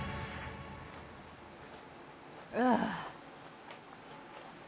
ああ。